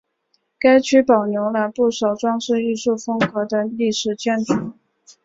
该区保留了不少装饰艺术风格的历史建筑。